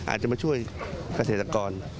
อาจจะมาช่วยเกษตรกร